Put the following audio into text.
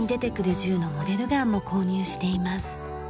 銃のモデルガンも購入しています。